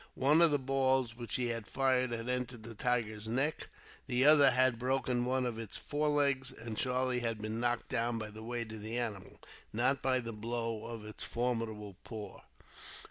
One of the balls which he had fired had entered the tiger's neck, the other had broken one of its forelegs, and Charlie had been knocked down by the weight of the animal, not by the blow of its formidable paw.